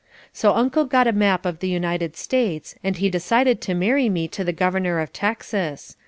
So Uncle got a map of the United States and he decided to marry me to the Governor of Texas.